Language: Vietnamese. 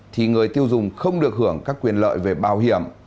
thì người tiêu dùng không được hưởng các quyền lợi về bảo hiểm